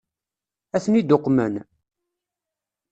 Ad ten-id-uqmen?